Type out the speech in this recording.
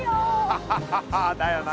ハハハハッだよな。